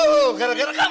untuk saya hanik parraya